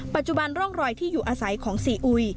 ปัจจุบันร่องรอยที่อยู่อาศัยของซีอุย